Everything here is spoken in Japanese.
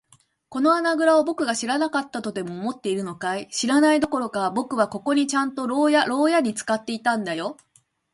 この穴ぐらをぼくが知らなかったとでも思っているのかい。知らないどころか、ぼくはここをちゃんと牢屋ろうやに使っていたんだよ。